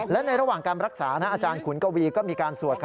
และในระหว่างการรักษาอาจารย์ขุนกวีก็มีการสวด